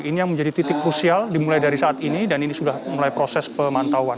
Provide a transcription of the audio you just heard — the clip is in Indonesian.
ini yang menjadi titik krusial dimulai dari saat ini dan ini sudah mulai proses pemantauan